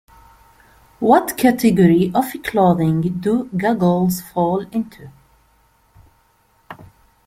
What category of clothing do goggles fall into?